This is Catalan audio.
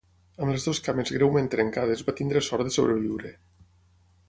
Amb les dues cames greument trencades va tenir sort de sobreviure.